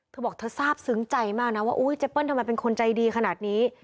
เธอบอกเธอทราบซึ้งใจมากนะว่าเจเปิ้ลทำไมเป็นคนใจดีขนาดนี้